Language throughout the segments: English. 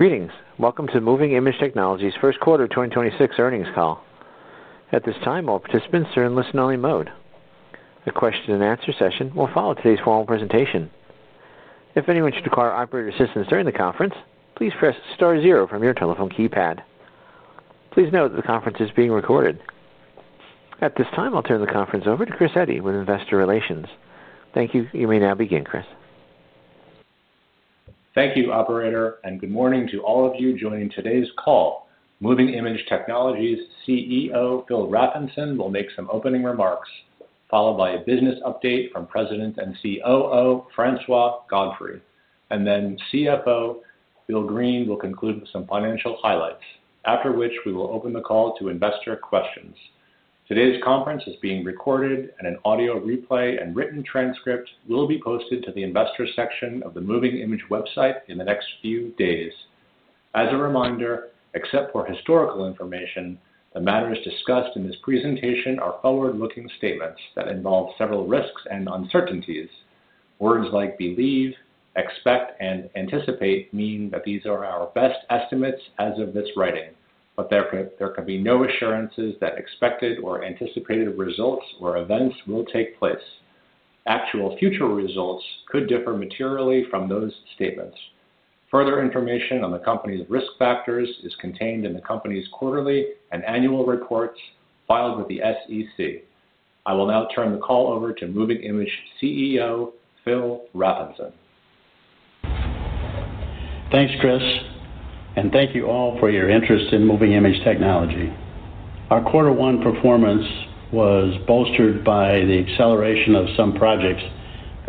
Greetings. Welcome to Moving iMage Technologies' first quarter 2026 earnings call. At this time, all participants are in listen-only mode. The question-and-answer session will follow today's formal presentation. If anyone should require operator assistance during the conference, please press star zero from your telephone keypad. Please note that the conference is being recorded. At this time, I'll turn the conference over to Chris Eddy with Investor Relations. Thank you. You may now begin, Chris. Thank you, Operator, and good morning to all of you joining today's call. Moving iMage Technologies' CEO, Phil Rafnson, will make some opening remarks, followed by a business update from President and COO, Francois Godfrey, and then CFO, Bill Greene, who will conclude with some financial highlights, after which we will open the call to investor questions. Today's conference is being recorded, and an audio replay and written transcript will be posted to the investor section of the Moving iMage website in the next few days. As a reminder, except for historical information, the matters discussed in this presentation are forward-looking statements that involve several risks and uncertainties. Words like believe, expect, and anticipate mean that these are our best estimates as of this writing, but there can be no assurances that expected or anticipated results or events will take place. Actual future results could differ materially from those statements. Further information on the company's risk factors is contained in the company's quarterly and annual reports filed with the SEC. I will now turn the call over to Moving iMage Technologies CEO, Phil Rafnson. Thanks, Chris, and thank you all for your interest in Moving iMage Technologies. Our quarter one performance was bolstered by the acceleration of some projects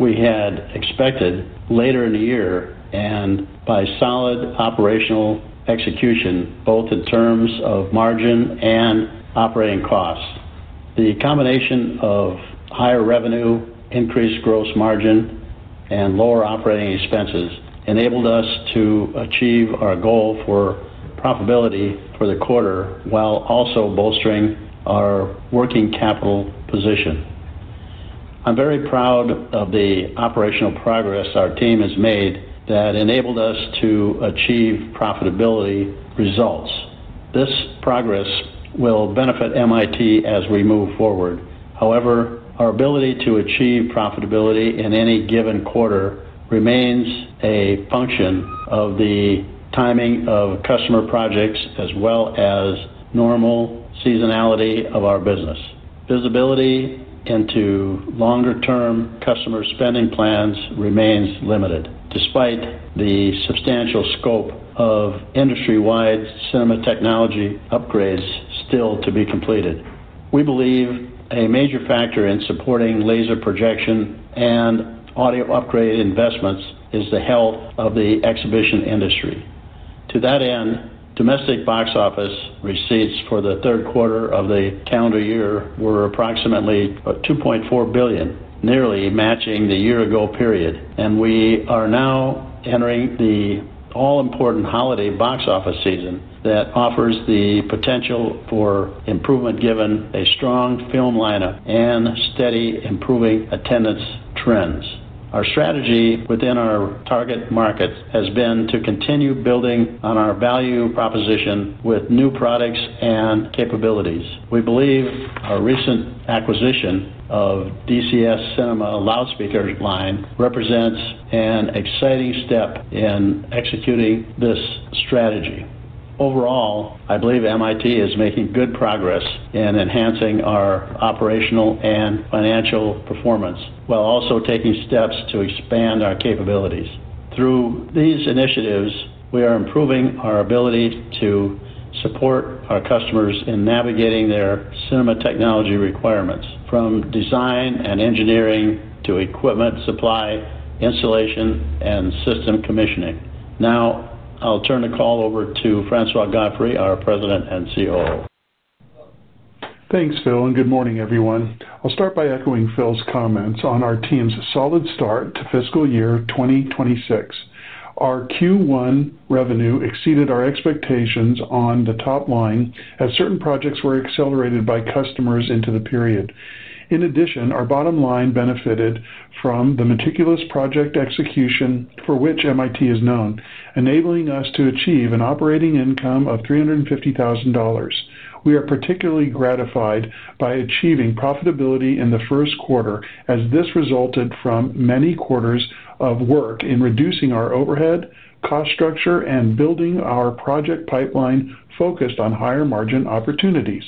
we had expected later in the year and by solid operational execution, both in terms of margin and operating costs. The combination of higher revenue, increased gross margin, and lower operating expenses enabled us to achieve our goal for profitability for the quarter while also bolstering our working capital position. I'm very proud of the operational progress our team has made that enabled us to achieve profitability results. This progress will benefit MIT as we move forward. However, our ability to achieve profitability in any given quarter remains a function of the timing of customer projects as well as normal seasonality of our business. Visibility into longer-term customer spending plans remains limited, despite the substantial scope of industry-wide cinema technology upgrades still to be completed. We believe a major factor in supporting laser projection and audio upgrade investments is the health of the exhibition industry. To that end, domestic box office receipts for the third quarter of the calendar year were approximately $2.4 billion, nearly matching the year-ago period, and we are now entering the all-important holiday box office season that offers the potential for improvement given a strong film lineup and steady improving attendance trends. Our strategy within our target markets has been to continue building on our value proposition with new products and capabilities. We believe our recent acquisition of DCS Cinema loudspeaker line represents an exciting step in executing this strategy. Overall, I believe MIT is making good progress in enhancing our operational and financial performance while also taking steps to expand our capabilities. Through these initiatives, we are improving our ability to support our customers in navigating their cinema technology requirements, from design and engineering to equipment supply, installation, and system commissioning. Now, I'll turn the call over to Francois Godfrey, our President and COO. Thanks, Phil, and good morning, everyone. I'll start by echoing Phil's comments on our team's solid start to fiscal year 2026. Our Q1 revenue exceeded our expectations on the top line as certain projects were accelerated by customers into the period. In addition, our bottom line benefited from the meticulous project execution for which MIT is known, enabling us to achieve an operating income of $350,000. We are particularly gratified by achieving profitability in the first quarter, as this resulted from many quarters of work in reducing our overhead, cost structure, and building our project pipeline focused on higher margin opportunities.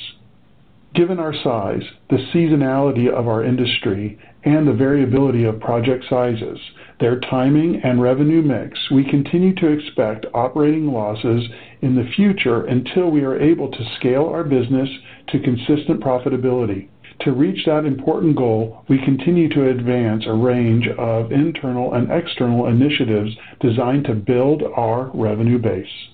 Given our size, the seasonality of our industry, and the variability of project sizes, their timing, and revenue mix, we continue to expect operating losses in the future until we are able to scale our business to consistent profitability. To reach that important goal, we continue to advance a range of internal and external initiatives designed to build our revenue base.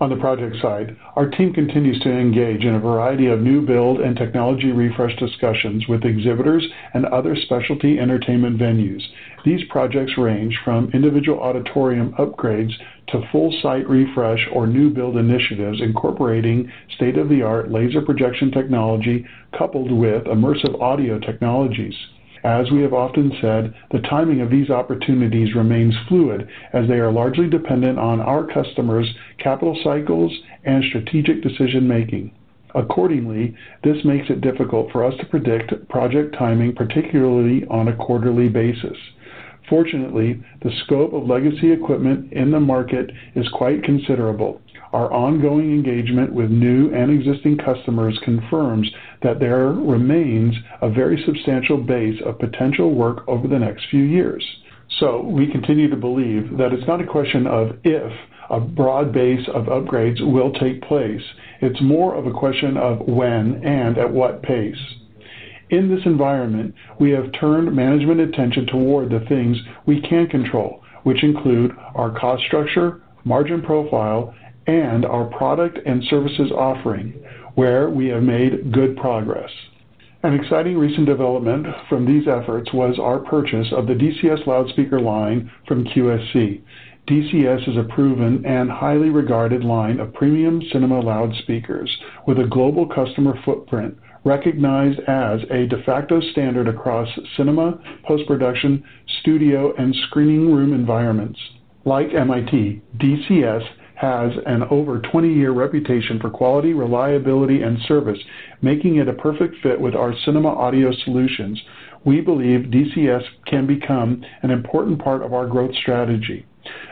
On the project side, our team continues to engage in a variety of new build and technology refresh discussions with exhibitors and other specialty entertainment venues. These projects range from individual auditorium upgrades to full-site refresh or new build initiatives incorporating state-of-the-art laser projection technology coupled with immersive audio technologies. As we have often said, the timing of these opportunities remains fluid, as they are largely dependent on our customers' capital cycles and strategic decision-making. Accordingly, this makes it difficult for us to predict project timing, particularly on a quarterly basis. Fortunately, the scope of legacy equipment in the market is quite considerable. Our ongoing engagement with new and existing customers confirms that there remains a very substantial base of potential work over the next few years. We continue to believe that it's not a question of if a broad base of upgrades will take place. It's more of a question of when and at what pace. In this environment, we have turned management attention toward the things we can control, which include our cost structure, margin profile, and our product and services offering, where we have made good progress. An exciting recent development from these efforts was our purchase of the DCS Cinema loudspeaker line from QSC. DCS is a proven and highly regarded line of premium cinema loudspeakers with a global customer footprint, recognized as a de facto standard across cinema, post-production, studio, and screening room environments. Like MIT, DCS has an over 20-year reputation for quality, reliability, and service, making it a perfect fit with our cinema audio solutions. We believe DCS can become an important part of our growth strategy.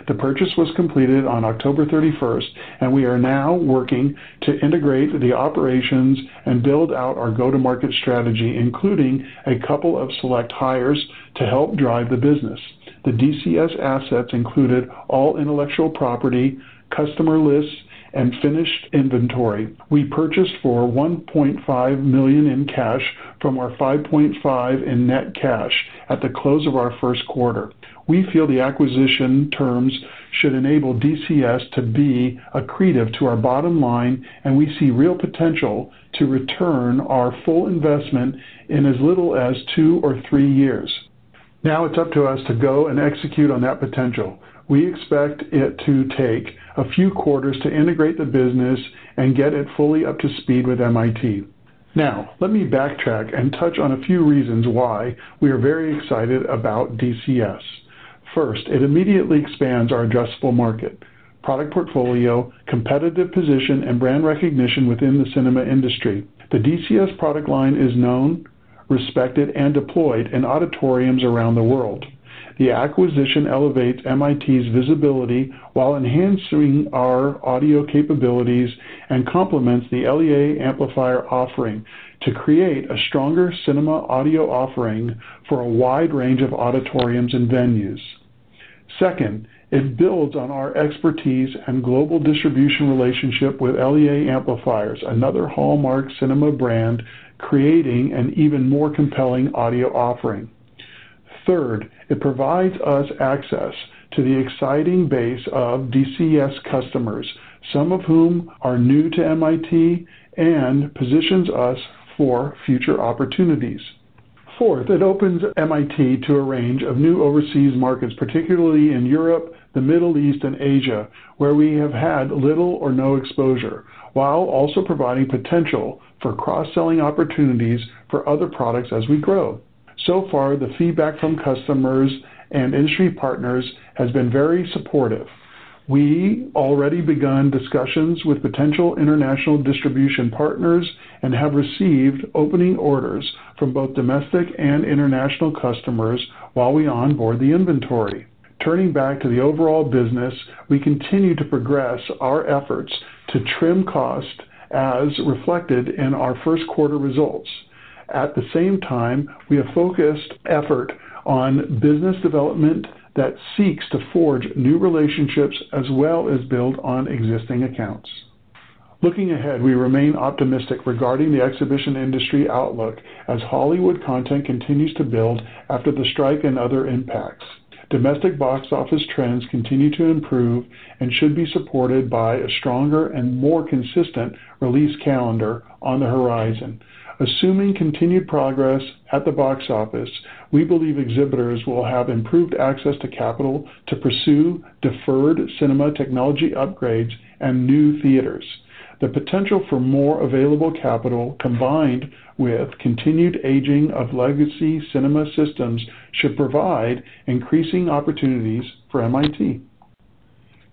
The purchase was completed on October 31st, and we are now working to integrate the operations and build out our go-to-market strategy, including a couple of select hires to help drive the business. The DCS assets included all intellectual property, customer lists, and finished inventory. We purchased for $1.5 million in cash from our $5.5 million in net cash at the close of our first quarter. We feel the acquisition terms should enable DCS to be accretive to our bottom line, and we see real potential to return our full investment in as little as two or three years. Now it is up to us to go and execute on that potential. We expect it to take a few quarters to integrate the business and get it fully up to speed with MIT. Now, let me backtrack and touch on a few reasons why we are very excited about DCS. First, it immediately expands our addressable market, product portfolio, competitive position, and brand recognition within the cinema industry. The DCS product line is known, respected, and deployed in auditoriums around the world. The acquisition elevates MIT's visibility while enhancing our audio capabilities and complements the LEA amplifier offering to create a stronger cinema audio offering for a wide range of auditoriums and venues. Second, it builds on our expertise and global distribution relationship with LEA amplifiers, another hallmark cinema brand creating an even more compelling audio offering. Third, it provides us access to the exciting base of DCS customers, some of whom are new to MIT and positions us for future opportunities. Fourth, it opens MIT to a range of new overseas markets, particularly in Europe, the Middle East, and Asia, where we have had little or no exposure, while also providing potential for cross-selling opportunities for other products as we grow. So far, the feedback from customers and industry partners has been very supportive. We have already begun discussions with potential international distribution partners and have received opening orders from both domestic and international customers while we onboard the inventory. Turning back to the overall business, we continue to progress our efforts to trim costs as reflected in our first quarter results. At the same time, we have focused effort on business development that seeks to forge new relationships as well as build on existing accounts. Looking ahead, we remain optimistic regarding the exhibition industry outlook as Hollywood content continues to build after the strike and other impacts. Domestic box office trends continue to improve and should be supported by a stronger and more consistent release calendar on the horizon. Assuming continued progress at the box office, we believe exhibitors will have improved access to capital to pursue deferred cinema technology upgrades and new theaters. The potential for more available capital combined with continued aging of legacy cinema systems should provide increasing opportunities for MIT.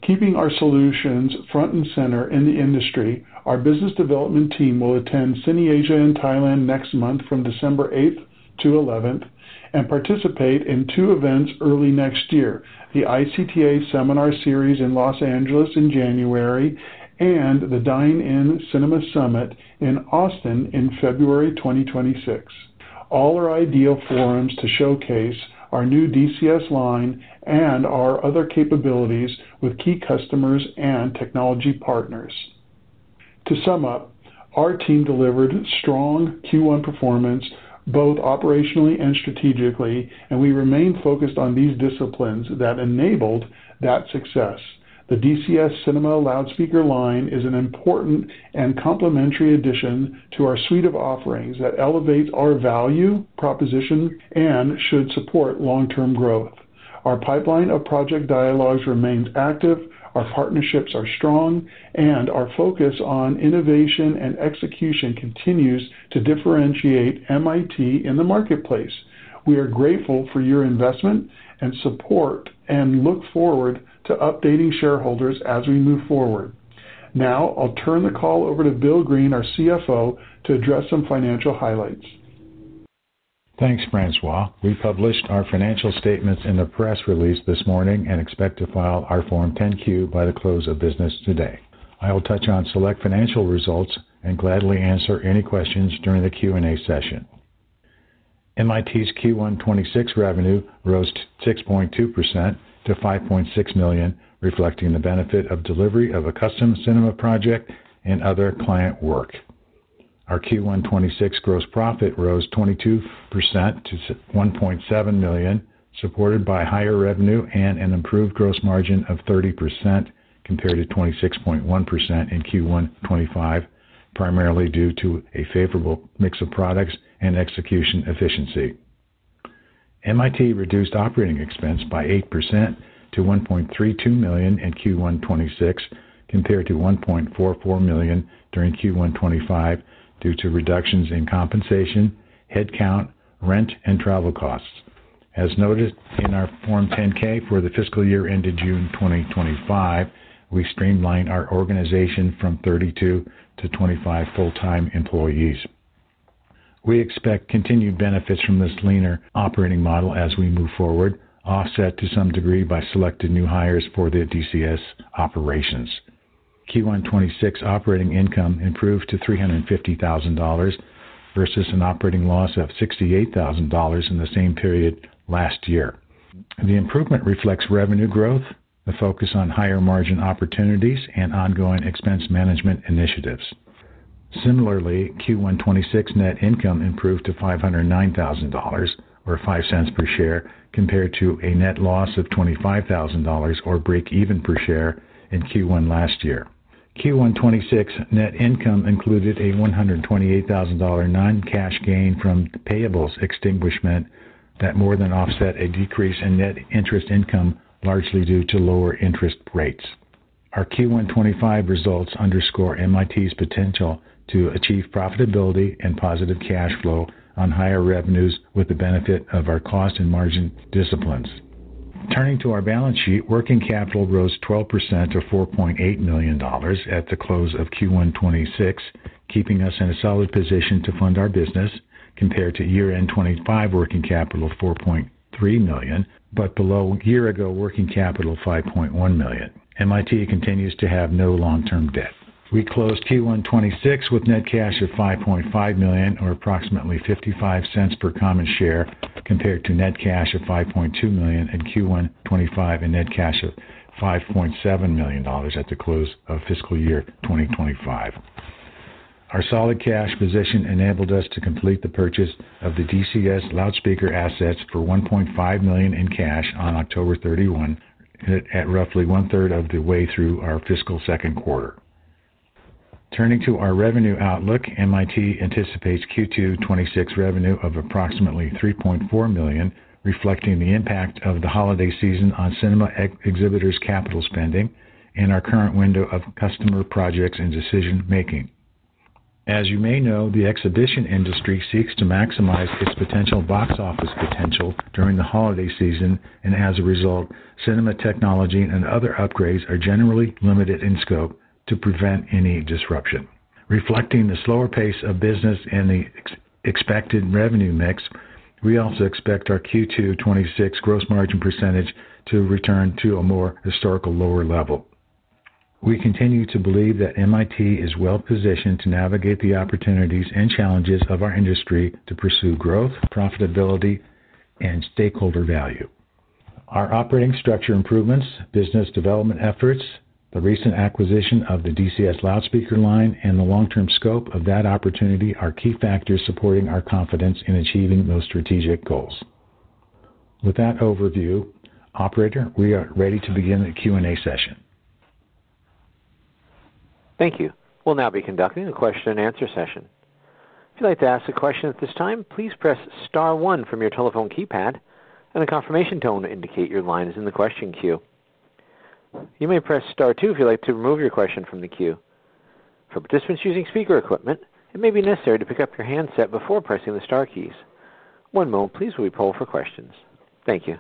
Keeping our solutions front and center in the industry, our business development team will attend CineAsia in Thailand next month from December 8 to 11 and participate in two events early next year: the ICTA Seminar Series in Los Angeles in January and the Dine In Cinema Summit in Austin in February 2026. All are ideal forums to showcase our new DCS line and our other capabilities with key customers and technology partners. To sum up, our team delivered strong Q1 performance both operationally and strategically, and we remain focused on these disciplines that enabled that success. The DCS Cinema loudspeaker line is an important and complementary addition to our suite of offerings that elevates our value proposition and should support long-term growth. Our pipeline of project dialogues remains active, our partnerships are strong, and our focus on innovation and execution continues to differentiate MIT in the marketplace. We are grateful for your investment and support and look forward to updating shareholders as we move forward. Now, I'll turn the call over to Bill Greene, our CFO, to address some financial highlights. Thanks, Francois. We published our financial statements in the press release this morning and expect to file our Form 10Q by the close of business today. I will touch on select financial results and gladly answer any questions during the Q&A session. MIT's Q1 2026 revenue rose 6.2% to $5.6 million, reflecting the benefit of delivery of a custom cinema project and other client work. Our Q1 2026 gross profit rose 22% to $1.7 million, supported by higher revenue and an improved gross margin of 30% compared to 26.1% in Q1 2025, primarily due to a favorable mix of products and execution efficiency. MIT reduced operating expense by 8% to $1.32 million in Q1 2026 compared to $1.44 million during Q1 2025 due to reductions in compensation, headcount, rent, and travel costs. As noted in our Form 10K for the fiscal year ended June 2025, we streamlined our organization from 32 to 25 full-time employees. We expect continued benefits from this leaner operating model as we move forward, offset to some degree by selected new hires for the DCS operations. Q1 2026 operating income improved to $350,000 versus an operating loss of $68,000 in the same period last year. The improvement reflects revenue growth, the focus on higher margin opportunities, and ongoing expense management initiatives. Similarly, Q1 2026 net income improved to $509,000 or $0.05 per share compared to a net loss of $25,000 or break-even per share in Q1 last year. Q1 2026 net income included a $128,000 non-cash gain from payables extinguishment that more than offset a decrease in net interest income, largely due to lower interest rates. Our Q1 2025 results underscore MIT's potential to achieve profitability and positive cash flow on higher revenues with the benefit of our cost and margin disciplines. Turning to our balance sheet, working capital rose 12% to $4.8 million at the close of Q126, keeping us in a solid position to fund our business compared to year-end 2025 working capital of $4.3 million, but below year-ago working capital of $5.1 million. MIT continues to have no long-term debt. We closed Q126 with net cash of $5.5 million, or approximately $0.55 per common share, compared to net cash of $5.2 million in Q125 and net cash of $5.7 million at the close of fiscal year 2025. Our solid cash position enabled us to complete the purchase of the DCS Cinema loudspeaker assets for $1.5 million in cash on October 31 at roughly one-third of the way through our fiscal second quarter. Turning to our revenue outlook, MIT anticipates Q2 2026 revenue of approximately $3.4 million, reflecting the impact of the holiday season on cinema exhibitors' capital spending and our current window of customer projects and decision-making. As you may know, the exhibition industry seeks to maximize its potential box office potential during the holiday season, and as a result, cinema technology and other upgrades are generally limited in scope to prevent any disruption. Reflecting the slower pace of business and the expected revenue mix, we also expect our Q2 2026 gross margin % to return to a more historical lower level. We continue to believe that MIT is well-positioned to navigate the opportunities and challenges of our industry to pursue growth, profitability, and stakeholder value. Our operating structure improvements, business development efforts, the recent acquisition of the DCS Cinema loudspeaker line, and the long-term scope of that opportunity are key factors supporting our confidence in achieving those strategic goals. With that overview, Operator, we are ready to begin the Q&A session. Thank you. We'll now be conducting a question-and-answer session. If you'd like to ask a question at this time, please press Star 1 from your telephone keypad, and a confirmation tone will indicate your line is in the question queue. You may press Star 2 if you'd like to remove your question from the queue. For participants using speaker equipment, it may be necessary to pick up your handset before pressing the Star keys. One moment, please, while we pull for questions. Thank you.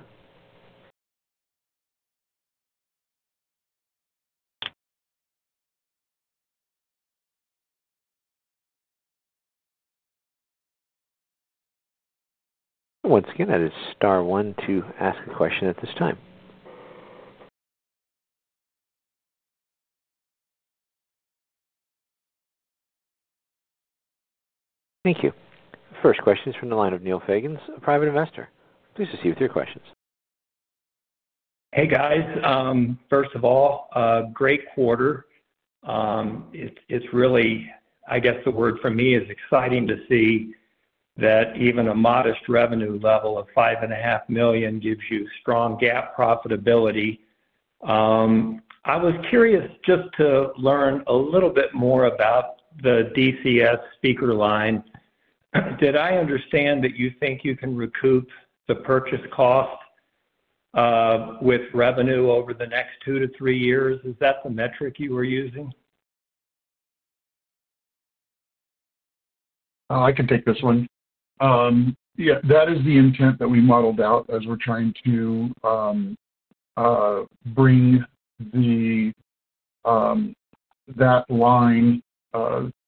Once again, that is Star 1 to ask a question at this time. Thank you. First question is from the line of Neil Fagans, a private investor. Please proceed with your questions. Hey, guys. First of all, great quarter. It's really, I guess the word for me is exciting to see that even a modest revenue level of $5.5 million gives you strong GAAP profitability. I was curious just to learn a little bit more about the DCS speaker line. Did I understand that you think you can recoup the purchase cost with revenue over the next two to three years? Is that the metric you were using? I can take this one. Yeah, that is the intent that we modeled out as we're trying to bring that line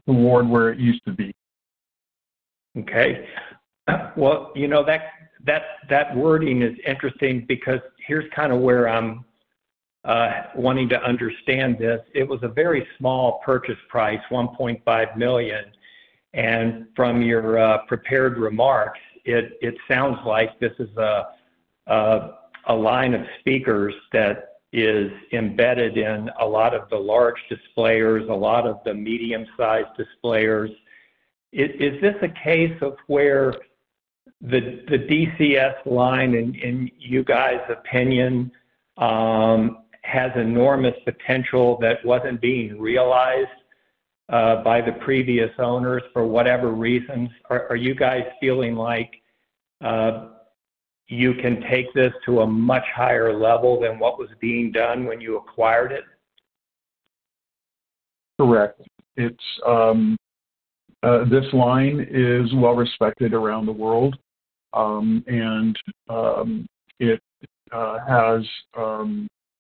toward where it used to be. Okay. You know that wording is interesting because here's kind of where I'm wanting to understand this. It was a very small purchase price, $1.5 million, and from your prepared remarks, it sounds like this is a line of speakers that is embedded in a lot of the large displayers, a lot of the medium-sized displayers. Is this a case of where the DCS line, in you guys' opinion, has enormous potential that wasn't being realized by the previous owners for whatever reasons? Are you guys feeling like you can take this to a much higher level than what was being done when you acquired it? Correct. This line is well-respected around the world, and it has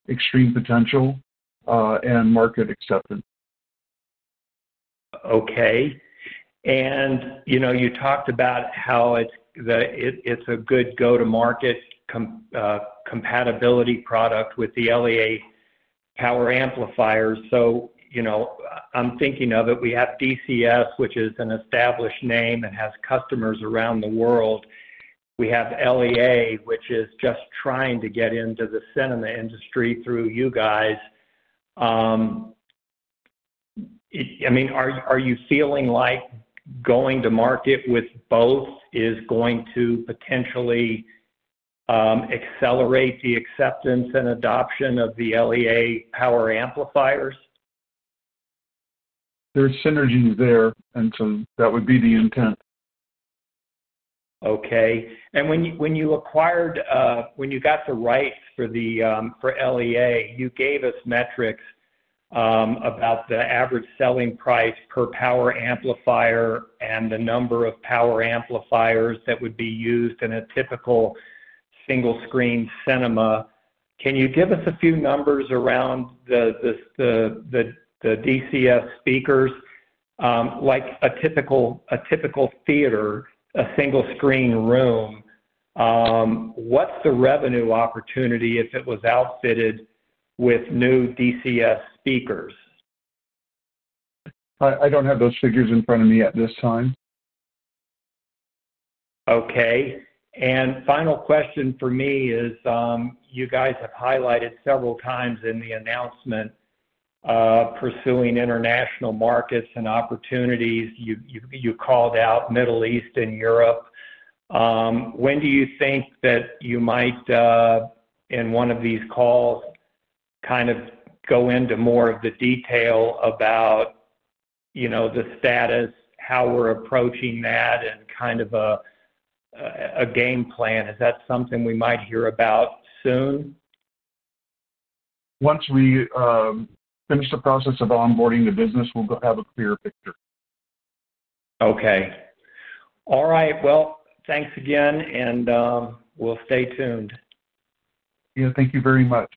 extreme potential and market acceptance. Okay. You talked about how it's a good go-to-market compatibility product with the LEA power amplifiers. I'm thinking of it. We have DCS, which is an established name and has customers around the world. We have LEA, which is just trying to get into the cinema industry through you guys. I mean, are you feeling like going to market with both is going to potentially accelerate the acceptance and adoption of the LEA power amplifiers? There's synergies there, and so that would be the intent. Okay. When you acquired, when you got the rights for LEA, you gave us metrics about the average selling price per power amplifier and the number of power amplifiers that would be used in a typical single-screen cinema. Can you give us a few numbers around the DCS speakers? Like a typical theater, a single-screen room, what's the revenue opportunity if it was outfitted with new DCS speakers? I don't have those figures in front of me at this time. Okay. Final question for me is you guys have highlighted several times in the announcement pursuing international markets and opportunities. You called out Middle East and Europe. When do you think that you might, in one of these calls, kind of go into more of the detail about the status, how we're approaching that, and kind of a game plan? Is that something we might hear about soon? Once we finish the process of onboarding the business, we'll have a clearer picture. Okay. All right. Thanks again, and we'll stay tuned. Yeah, thank you very much.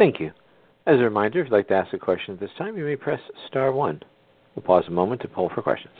Thank you. As a reminder, if you'd like to ask a question at this time, you may press Star 1. We'll pause a moment to poll for questions.